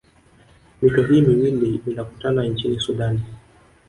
Mito hii miwili inakutana nchini sudani